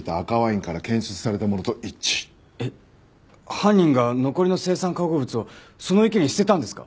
犯人が残りの青酸化合物をその池に捨てたんですか？